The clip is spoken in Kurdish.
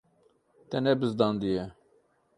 Te nebizdandiye.